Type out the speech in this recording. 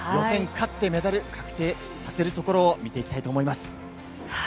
予選勝ってメダル確定させるところを見ていきたいと思います。